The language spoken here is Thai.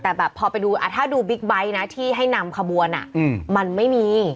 แต่แบบพอไปดูถ้าดูบิ๊กไบท์นะที่ให้นำขบวนมันไม่มี